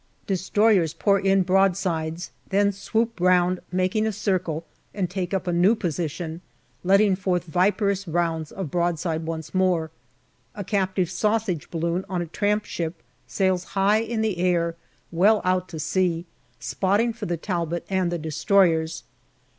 Destroyers pour in broadsides, then swoop round, making a circle, and take up a new position, letting forth viperous rounds of broadside once more. A captive sausage balloon on a tramp ship sails high in the air, well out to sea, spotting for the Talbot and the destroyers.